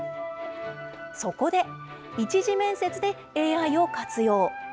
そこで、１次面接でＡＩを活用。